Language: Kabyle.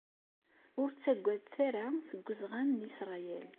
Ur ttagadet ara seg uzɣan n Israel.